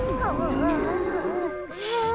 うん。